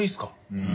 うん。